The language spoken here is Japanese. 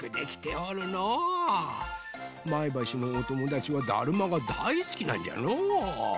前橋のおともだちはだるまがだいすきなんじゃの。